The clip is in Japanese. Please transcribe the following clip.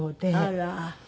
あら。